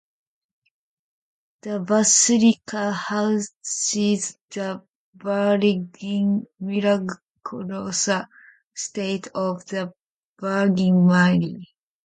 The basilica houses the Virgin Milagrosa statue of the Virgin Mary.